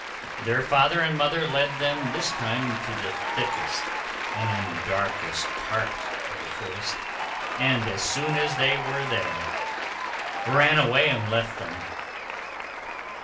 Their father and mother led them this time into the thickest and darkest part of the forest, and, as soon as they were there, ran away and left them.